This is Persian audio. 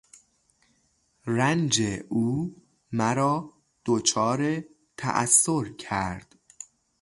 رنج او مرا دچار تاثر کرد.